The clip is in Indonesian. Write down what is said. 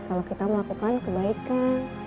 kalau kita melakukan kebaikan